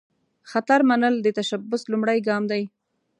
خطر منل، د تشبث لومړۍ ګام دی.